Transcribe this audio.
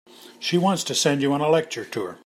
She wants to send you on a lecture tour.